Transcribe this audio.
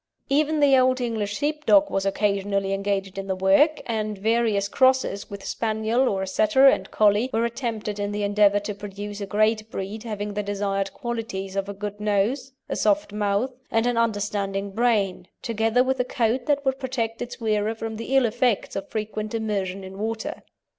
Even the old English Sheepdog was occasionally engaged in the work, and various crosses with Spaniel or Setter and Collie were attempted in the endeavour to produce a grade breed having the desired qualities of a good nose, a soft mouth, and an understanding brain, together with a coat that would protect its wearer from the ill effects of frequent immersion in water.